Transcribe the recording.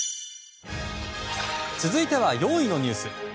続いては４位のニュース。